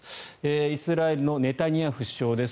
イスラエルのネタニヤフ首相です。